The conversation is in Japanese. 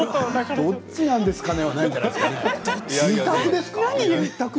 どっちなんですかね。